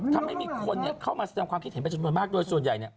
ทำให้มีคนเข้ามาแสดงความคิดเห็นมากโดยส่วนใหญ่